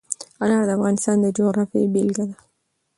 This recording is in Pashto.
انار د افغانستان د جغرافیې بېلګه ده.